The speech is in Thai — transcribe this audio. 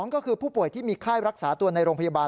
ก็คือผู้ป่วยที่มีไข้รักษาตัวในโรงพยาบาล